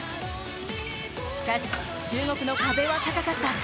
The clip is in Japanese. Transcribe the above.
しかし中国の壁は高かった。